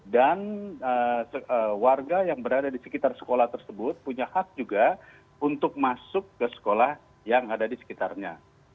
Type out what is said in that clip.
dan warga yang berada di sekitar sekolah tersebut punya hak juga untuk masuk ke sekolah yang ada di sekitarnya